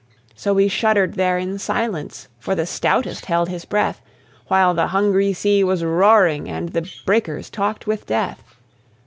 So we shuddered there in silence, For the stoutest held his breath, While the hungry sea was roaring And the breakers talked with Death.